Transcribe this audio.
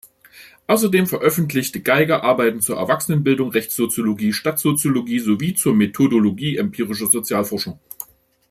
Außerdem veröffentlichte Geiger Arbeiten zur Erwachsenenbildung, Rechtssoziologie, Stadtsoziologie sowie zur Methodologie empirischer Sozialforschung.